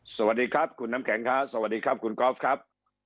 สวัสดีครับคุณน้ำแข็งครับสวัสดีครับคุณกอล์ฟครับ